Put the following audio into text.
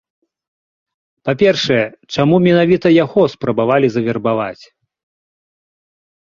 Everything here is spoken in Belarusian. Па-першае, чаму менавіта яго спрабавалі завербаваць?